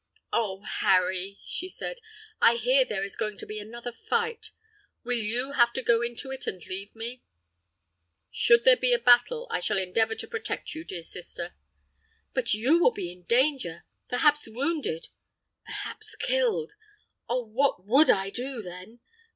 "Oh! Harry," she said, "I hear there is going to be another fight. Will you have to go into it and leave me?" "Should there be a battle, I shall endeavor to protect you, dear sister." "But, you will be in danger; perhaps wounded—perhaps killed! Oh! what would I do, then?